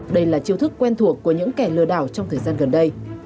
đây là chiêu thức quen thuộc của những kẻ lừa đảo trong thời gian gần đây